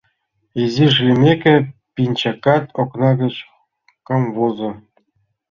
Изиш лиймеке, пинчакат окна гыч камвозо.